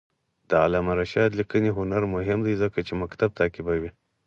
د علامه رشاد لیکنی هنر مهم دی ځکه چې مکتب تعقیبوي.